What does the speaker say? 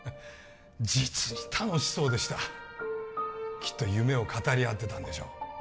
実に楽しそうでしたきっと夢を語り合ってたんでしょう